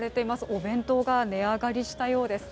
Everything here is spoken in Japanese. お弁当が値上がりしたようです。